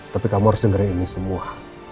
tapi kamu harus dengerin ini semua